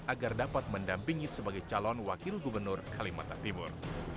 agar dapat mendampingi sebagai calon wakil gubernur kalimantan timur